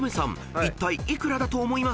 いったい幾らだと思いますか？］